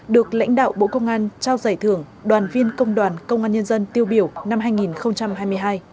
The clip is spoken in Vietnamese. được lãnh đạo bộ công an trao giải thưởng đoàn viên công đoàn công an nhân dân tiêu biểu năm hai nghìn hai mươi hai